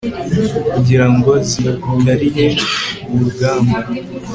kugira ngo zikarihe ku rugamba